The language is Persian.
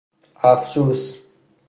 افسوس!